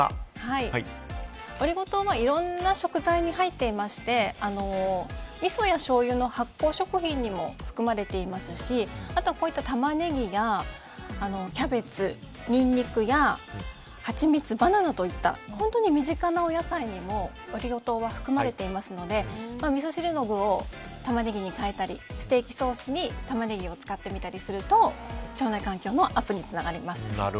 オリゴ糖はいろいろな食材に入っていましてみそやしょうゆの発酵食品にも含まれていますしあとは、こういったタマネギやキャベツ、ニンニクやハチミツバナナといった本当に身近なお野菜にもオリゴ糖は含まれていますのでみそ汁の具をタマネギに変えたりステーキのソースにタマネギを使ってみたりすると腸内環境のアップにつながります。